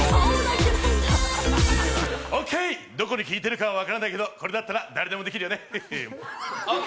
オーケー、どこに効いているか分からないけどこれだったら誰でもできるよね！